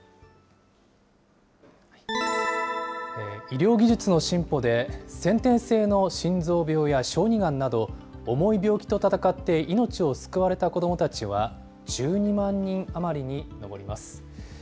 医療技術の進歩で、先天性の心臓病や小児がんなど、重い病気と闘って命を救われた子どもたちは１２万人余りに上ります。